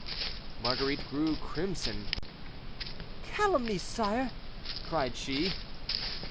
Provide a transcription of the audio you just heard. '" Marguerite grew crimson. "Calumnies, sire!" cried she.